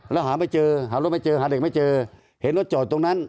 แล้วหาไม่เจอหารถไม่เจอหาเด็กไม่เจอเห็นรถจอดตรงนั้น